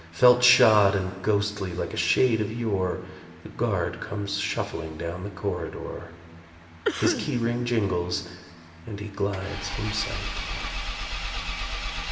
Felt shod and ghostly like a shade of yore, The guard comes shuffling down the corridor; His key ring jingles ... and he glides from sight.